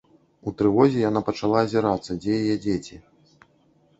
У трывозе яна пачала азірацца, дзе яе дзеці.